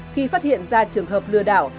khi phát hiện ra trường hợp lừa đảo